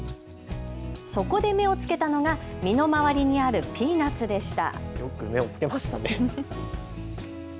そこで目をつけたのが身の回りにあるピーナツでした。